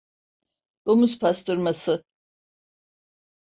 Domuz pastırması.